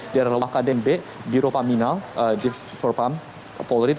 diantara laka den b biro paminan dief propam polri